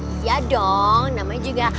iya dong namanya juga